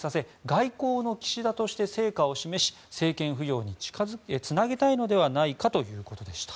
外交の岸田として成果を示し、政権浮揚につなげたいのではないかということでした。